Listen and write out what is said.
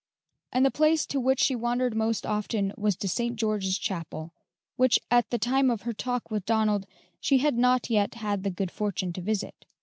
And the place to which she wandered most often was to St. George's Chapel, which at the time of her talk with Donald she had not yet had the good fortune to visit.